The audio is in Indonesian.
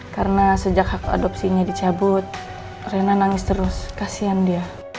karena sejak hak adopsinya dicabut rena nangis terus kasian dia